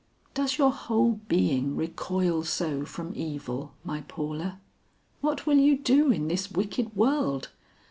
"Does your whole being recoil so from evil, my Paula? What will you do in this wicked world?